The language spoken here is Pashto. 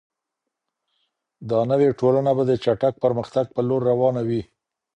دا نوې ټولنه به د چټک پرمختګ په لور روانه وي.